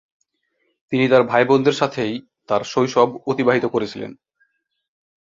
তিনি তাঁর ভাইবোনদের সাথেই তাঁর শৈশব অতিবাহিত করেছিলেন।